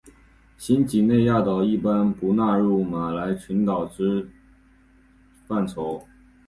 新几内亚岛一般不纳入马来群岛之范畴。